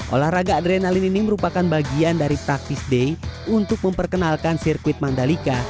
olahraga adrenalin ini merupakan bagian dari praktis day untuk memperkenalkan sirkuit mandalika